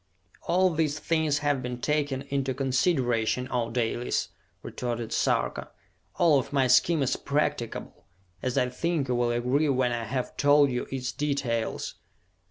"All these things have been taken into consideration, O Dalis!" retorted Sarka. "All of my scheme is practicable, as I think you will agree when I have told you its details.